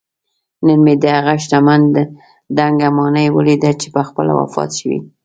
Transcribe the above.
نن مې دهغه شتمن دنګه ماڼۍ ولیده چې پخپله وفات شوی